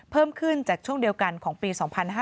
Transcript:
เพิ่มขึ้นจากช่วงเดียวกันของปี๒๕๕๙